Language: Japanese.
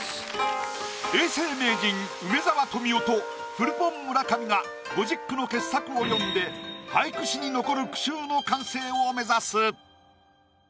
永世名人梅沢富美男とフルポン村上が５０句の傑作を詠んで俳句史に残る句集の完成を目指す。